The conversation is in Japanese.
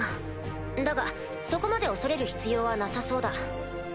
だがそこまで恐れる必要はなさそうだ。